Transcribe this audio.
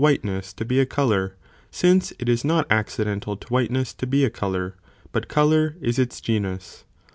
whiteness to be a colour, since it is not accidental to whiteness to be a colour, but colour is its genus.